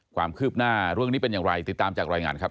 ความคืบหน้าเรื่องนี้เป็นอย่างไรติดตามจากรายงานครับ